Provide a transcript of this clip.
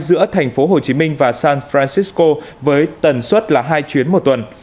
giữa thành phố hồ chí minh và san francisco với tần suất là hai chuyến một tuần